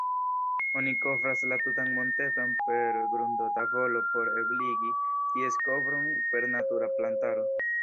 Oni kovras la tutan monteton per grundotavolo por ebligi ties kovron per natura plantaro.